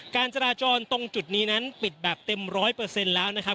การจราจรตรงจุดนี้นั้นปิดแบบเต็ม๑๐๐แล้วนะครับ